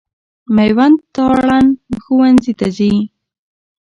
مېوند تارڼ ښوونځي ته ځي.